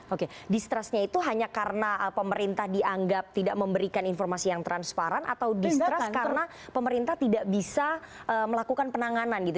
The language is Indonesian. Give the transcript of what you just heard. oke distrustnya itu hanya karena pemerintah dianggap tidak memberikan informasi yang transparan atau distrust karena pemerintah tidak bisa melakukan penanganan gitu